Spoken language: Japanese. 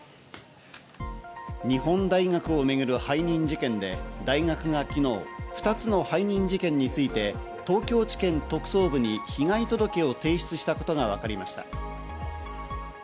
日本大学を巡る背任事件で、大学が昨日、２つの背任事件について東京地検特捜部に被害届を提出したことがわかりました。